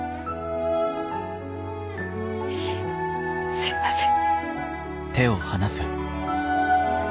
すいません。